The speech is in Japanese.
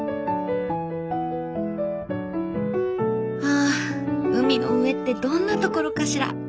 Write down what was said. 「ああ海の上ってどんなところかしら！